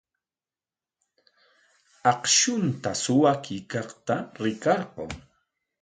Akshunta suwakuykaqta rikarqun.